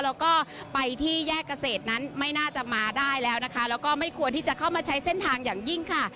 แล้วก็ไปที่แยกเกษตรนั้นไม่น่าจะมาได้แล้วนะคะแล้วก็ไม่ควรที่จะเข้ามาใช้เส้นทางอย่างยิ่งค่ะ